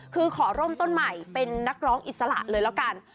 คือขอร่มต้นใหม่เป็นนักร้องอิสระเลยแล้วกัน